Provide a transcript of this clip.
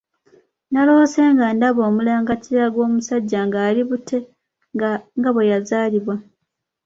Naloose nga ndaba omulangaatira gw'omusajja ng'ali bute nga bwe yazaalibwa!